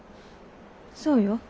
そうよ。